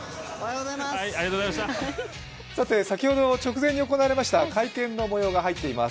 先ほど、直前に行われた会見の模様が入っています。